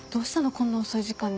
こんな遅い時間に。